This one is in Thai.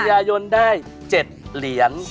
กัญญาโยนได้๗เหรียญ